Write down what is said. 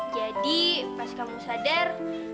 jadi pas kamu sadar